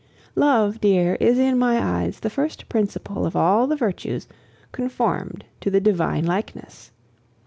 Love, dear, is in my eyes the first principle of all the virtues, conformed to the divine likeness.